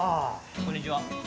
こんにちは。